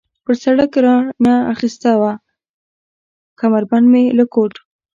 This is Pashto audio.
پر سړک را نه اخیستې وه، کمربند مې له کوټ.